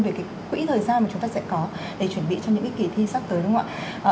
về cái quỹ thời gian mà chúng ta sẽ có để chuẩn bị cho những cái kỳ thi sắp tới đúng không ạ